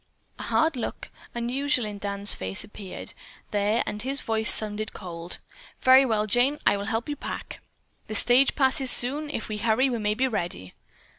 A hard look, unusual in Dan's face, appeared there and his voice sounded cold. "Very well, Jane, I will help you pack. The stage passes soon. If we hurry, we may be ready."